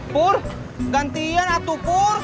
pur gantian atuh pur